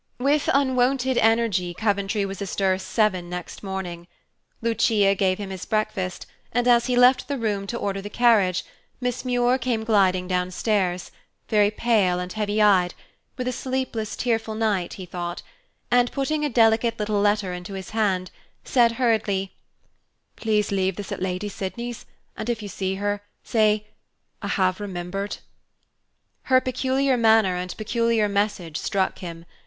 With unwonted energy Coventry was astir seven next morning. Lucia gave him his breakfast, and as he left the room to order the carriage, Miss Muir came gliding downstairs, very pale and heavy eyed (with a sleepless, tearful night, he thought) and, putting a delicate little letter into his hand, said hurriedly, "Please leave this at Lady Sydney's, and if you see her, say 'I have remembered.'" Her peculiar manner and peculiar message struck him.